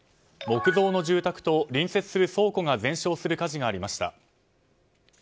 木造の住宅と隣接する倉庫が全焼する火事がありました。